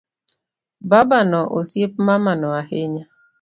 Babano osiep mamano ahinya